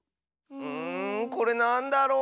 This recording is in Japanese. んこれなんだろう？